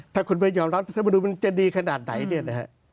ถ้าคุณไม่ยอมรับรัฐมนุนมันจะดีขนาดไหนเนี่ยนะฮะ